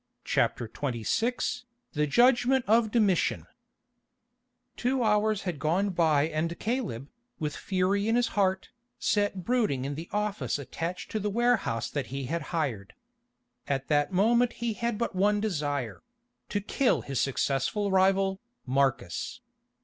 CHAPTER XXVI THE JUDGMENT OF DOMITIAN Two hours had gone by and Caleb, with fury in his heart, sat brooding in the office attached to the warehouse that he had hired. At that moment he had but one desire—to kill his successful rival, Marcus.